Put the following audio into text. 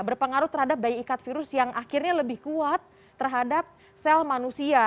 berpengaruh terhadap bayi ikat virus yang akhirnya lebih kuat terhadap sel manusia